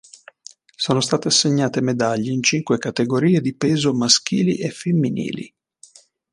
Sono state assegnate medaglie in cinque categorie di peso maschili e femminili.